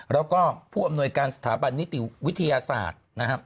แล้วก็ผู้อำนวยการสถาบันนิติวิทยาศาสตร์นะครับ